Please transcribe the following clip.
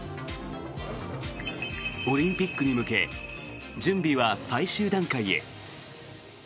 オリンピックに向け準備は最終段階へ。